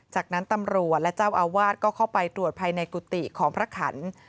จากนั้นตำรวจและเจ้าอาวาสก็เข้าไปตรวจภายในกุฏิของพระขัน